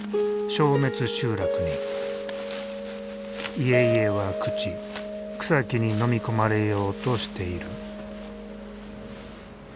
家々は朽ち草木にのみ込まれようとしている。